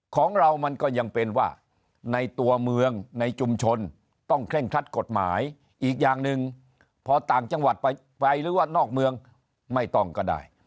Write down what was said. ของเรามันก็ยังเป็นว่าในตัวเมืองในชุมชนต้องเคร่งครัดกฎหมายอีกอย่างหนึ่งพอต่างจังหวัดไปหรือว่านอกเมืองไม่ต้องก็ได้